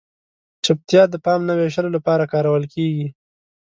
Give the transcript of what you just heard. چپتیا د پام نه وېشلو لپاره کارول کیږي.